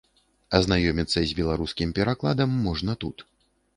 Азнаёміцца з беларускім перакладам можна тут.